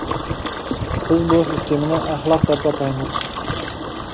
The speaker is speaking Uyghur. بىز بۇ سىستېمىنى ئەخلاق دەپ ئاتايمىز.